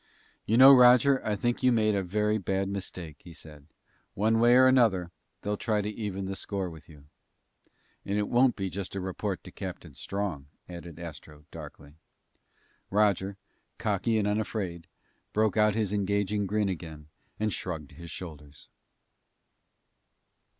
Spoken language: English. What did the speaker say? "You know, Roger, I think you made a very bad mistake," he said. "One way or another, they'll try to even the score with you." "And it won't be just a report to Captain Strong," added Astro darkly. Roger, cocky and unafraid, broke out his engaging grin again and shrugged his shoulders.